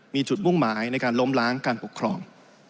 มีจุดมุ่งหมายในการล้มล้างการปกครอง